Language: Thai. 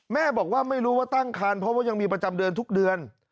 แม่บอกว่าไม่รู้ว่าตั้งคันเพราะว่ายังมีประจำเดือนทุกเดือน